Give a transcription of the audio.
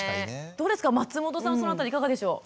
どうですか松本さんその辺りいかがでしょう？